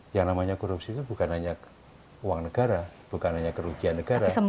yang namanya korupsi itu bukan hanya uang negara bukan hanya kerugian negara